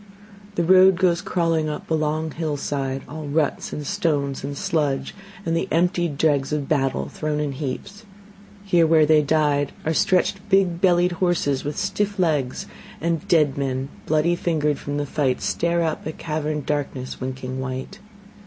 The road goes crawling up a long hillside, All ruts and stones and sludge, and the emptied dregs Of battle thrown in heaps. Here where they died Are stretched big bellied horses with stiff legs; And dead men, bloody fingered from the fight, Stare up at caverned darkness winking white.